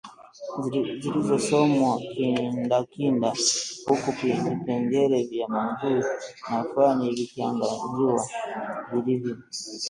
zilisomwa kindakindaki huku vipengee vya maudhui na fani vikiangaziwa vilivyo